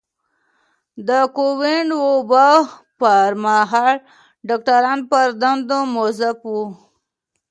د کوويډ وبا پر مهال ډاکټران پر دندو مؤظف وو.